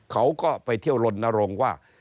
เขาก็ไปเที่ยวลนรงค์ว่า